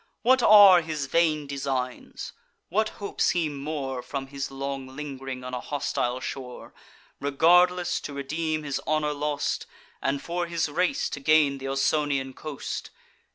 What are his vain designs! what hopes he more From his long ling'ring on a hostile shore, Regardless to redeem his honour lost, And for his race to gain th' Ausonian coast!